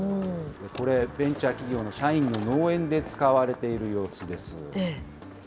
これ、ベンチャー企業の社員の農園で使われている様子です。